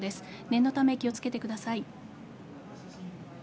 念のため気をつけてください。